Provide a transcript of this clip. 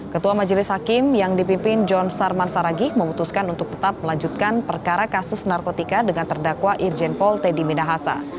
ketua majelis hakim yang dipimpin john sarman saragih memutuskan untuk tetap melanjutkan perkara kasus narkotika dengan terdakwa irjen pol teddy minahasa